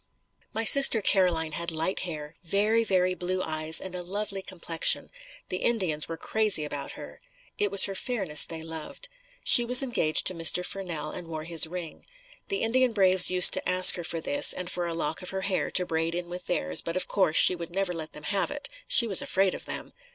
My sister Caroline had light hair, very, very blue eyes and a lovely complexion. The Indians were crazy about her. It was her fairness they loved. She was engaged to Mr. Furnell and wore his ring. The Indian braves used to ask her for this and for a lock of her hair to braid in with theirs but of course, she would never let them have it. She was afraid of them.